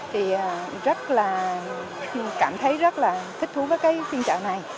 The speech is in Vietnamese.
thì cảm thấy rất là thích thú với cái phiên chợ này